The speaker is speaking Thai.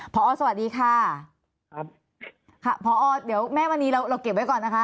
พอสวัสดีค่ะพอเดี๋ยวแม่วันนี้เราเก็บไว้ก่อนนะคะ